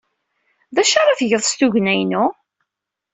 D acu ara tgeḍ s tugna-inu?